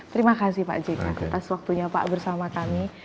terima kasih pak jk atas waktunya pak bersama kami